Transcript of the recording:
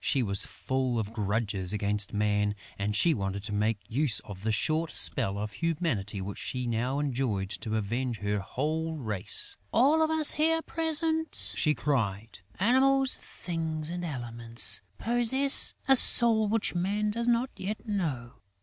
She was full of grudges against Man and she wanted to make use of the short spell of humanity which she now enjoyed to avenge her whole race: "All of us here present," she cried, "Animals, Things and Elements, possess a soul which Man does not yet know.